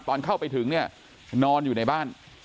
ตอนเข้าไปถึงเนี่ยนอนอยู่ในบ้าน